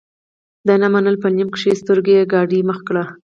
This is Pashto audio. ده نه منله په نیم کښو سترګو یې ګاډۍ مخ کړه.